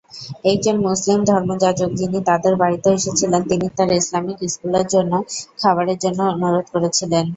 একজন মুসলিম ধর্মযাজক যিনি তাদের বাড়িতে এসেছিলেন তিনি তার ইসলামিক স্কুলের জন্য খাবারের জন্য অনুরোধ করেছিলেন।